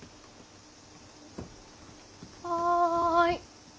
はい。